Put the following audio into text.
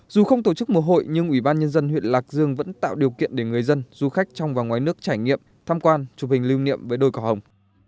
dù không tổ chức mùa hội nhưng ubnd nguyễn lạc dương vẫn tạo điều kiện để người dân du khách trong và ngoài nước trải nghiệm tham quan chụp hình lưu niệm với đồi cỏ hồng